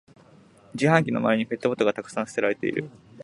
自販機の周りにペットボトルがたくさん捨てられてる